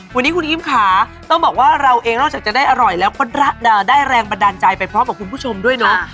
วันนี้คุณอิมค่ะต้องบอกว่าเราเองนอกจากจะได้อร่อยแล้วก็ได้แรงบันดาลใจไปพร้อมกับคุณผู้ชมด้วยเนาะ